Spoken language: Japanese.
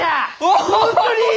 本当に！？